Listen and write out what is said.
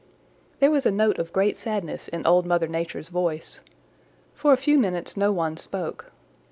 There was a note of great sadness in Old Mother Nature's voice. For a few minutes no one spoke.